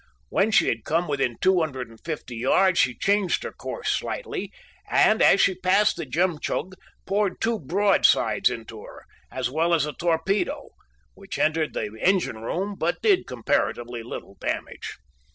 When she had come within 250 yards she changed her course slightly, and as she passed the Jemtchug poured two broadsides into her, as well as a torpedo, which entered the engine room but did comparatively little damage.